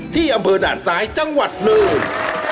ที่อำเภอด่านซ้ายจังหวัดหนึ่ง